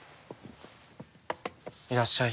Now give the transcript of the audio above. いらっしゃい。